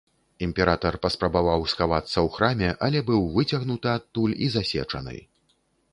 Імператар паспрабаваў схавацца ў храме, але быў выцягнуты адтуль і засечаны.